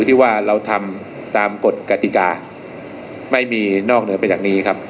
ที่ว่าเราทำตามกฎกติกาไม่มีนอกเหนือไปจากนี้ครับ